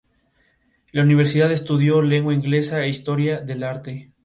En la universidad estudió Lengua Inglesa e Historia del Arte.